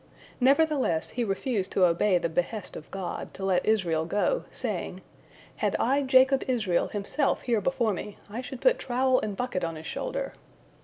Nevertheless he refused to obey the behest of God, to let Israel go, saying, "Had I Jacob Israel himself here before me, I should put trowel and bucket on his shoulder."